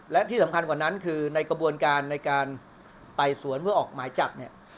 และที่สำคัญกว่านั้นคือในกระบวนการในการไต่สวนเพื่อออกหมายจับเนี่ย